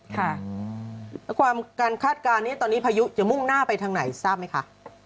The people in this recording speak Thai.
ความการคาดการณ์นี้ตอนนี้พายุจะมุ่งหน้าไปทางไหนทราบไหมคะ